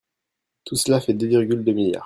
Tout cela fait deux virgule deux milliards.